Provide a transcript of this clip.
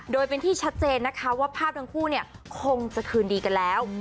โดยเป็นที่ชัดเจนนะคะว่าภาพทั้งคู่เนี่ยคงจะคืนดีกันแล้ว